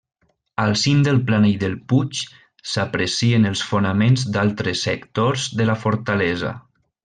Al cim del planell del puig s'aprecien els fonaments d'altres sectors de la fortalesa.